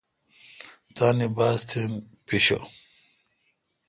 تا باستھین پیشو۔